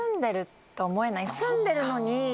住んでるのに。